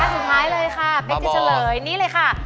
สุดท้ายเลยเป็นเกรียมเฉลยนี้เลยค่ะ